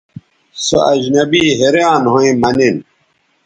سو اجنبی حیریان َھویں مہ نِن